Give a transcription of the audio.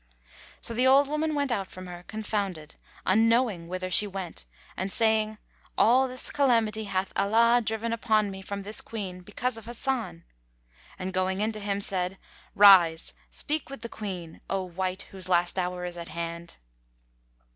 So the old woman went out from her, confounded, unknowing whither she went and saying, "All this calamity hath Allah driven upon me from this Queen because of Hasan!" and going in to him, said, "Rise, speak with the Queen, O wight whose last hour is at hand!"